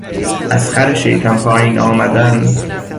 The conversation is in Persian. از خر شیطان پائین آمدن